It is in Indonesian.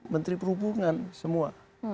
menteri perhubungan semua